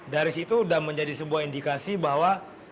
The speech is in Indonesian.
dari situ sudah menjadi sebuah indikasi bahwa